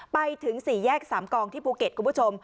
ไปถึง๔แยก๓กองที่ภูเก็ตคุณผู้ชม